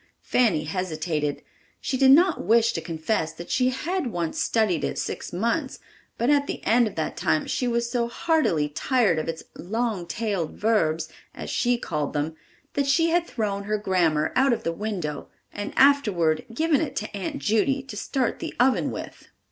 Fanny hesitated; she did not wish to confess that she had once studied it six months, but at the end of that time she was so heartily tired of its "long tailed verbs," as she called them, that she had thrown her grammar out of the window and afterward given it to Aunt Judy to start the oven with!